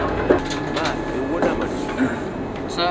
Ma ewuoda maduong’?